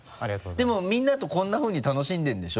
でもみんなとこんなふうに楽しんでるんでしょ？